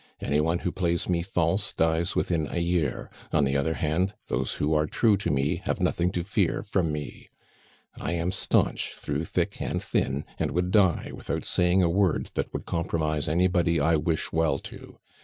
Any one who plays me false dies within a year; on the other hand, those who are true to me have nothing to fear from me. I am staunch through thick and thin, and would die without saying a word that would compromise anybody I wish well to.